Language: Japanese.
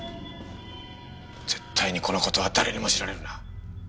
絶対にこの事は誰にも知られるな。